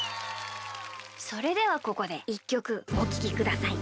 それではここで１きょくおききください。